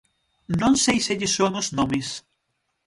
¿Non sei se lles soan os nomes?